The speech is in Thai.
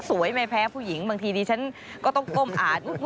สวยไม่แพ้ผู้หญิงบางทีดีชั้นก็ต้องก้มอาด